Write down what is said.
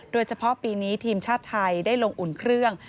โดยเฉพาะปีนี้ทีมชาติไทยได้ลงอุ่นเครื่อง